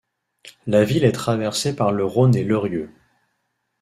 La ville est traversée par le Rhône et l'Eyrieux.